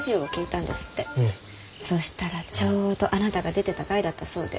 そしたらちょうどあなたが出てた回だったそうで。